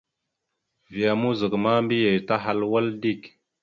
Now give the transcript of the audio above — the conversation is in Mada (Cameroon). Vya mouzak ma mbiyez tahal wal dik.